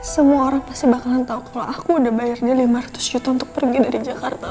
semua orang pasti bakalan tahu kalau aku udah bayarnya lima ratus juta untuk pergi dari jakarta